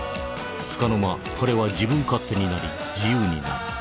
つかの間彼は自分勝手になり自由になる。